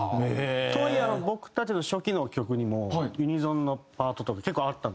とはいえ僕たちの初期の曲にもユニゾンのパートとか結構あったんですよ。